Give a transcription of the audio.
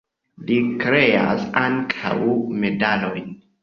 Li kreas ankaŭ medalojn.